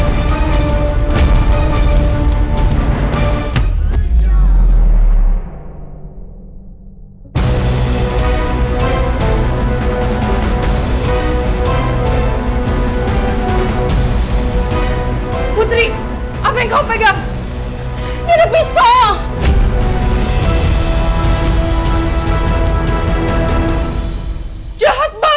sampai jumpa di video selanjutnya